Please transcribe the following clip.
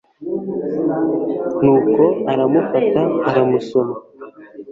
Nuko aramufata aramusoma